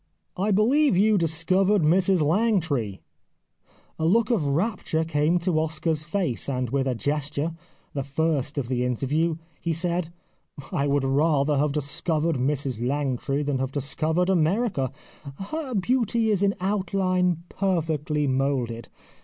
"' I believe you discovered Mrs Langtry ?' A look of rapture came to Oscar's face, and with a gesture, the first of the interview, he said :* I would rather have discovered Mrs Langtry than have discovered America. Her beauty is in outline perfectly moulded.